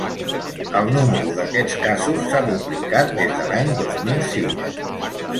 El número d’aquests casos s’ha duplicat des de l’any dos mil sis.